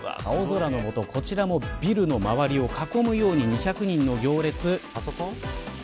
青空の下、こちらもビルの周りを囲むように２００人の行列。